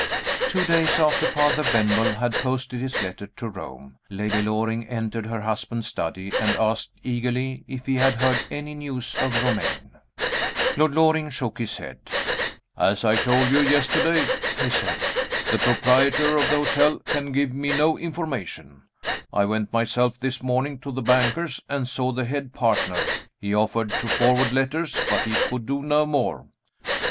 Two days after Father Benwell had posted his letter to Rome, Lady Loring entered her husband's study, and asked eagerly if he had heard any news of Romayne. Lord Loring shook his head. "As I told you yesterday," he said, "the proprietor of the hotel can give me no information. I went myself this morning to the bankers, and saw the head partner. He offered to forward letters, but he could do no more.